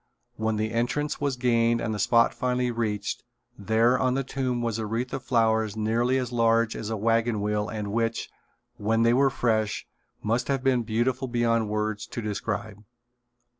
When entrance was gained and the spot finally reached, there on the tomb was a wreath of flowers nearly as large as a wagon wheel and which, when they were fresh, must have been beautiful beyond words to described.